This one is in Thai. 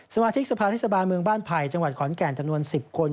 มาธิกสภาเทศบาลเมืองบ้านไผ่จังหวัดขอนแก่นจำนวน๑๐คน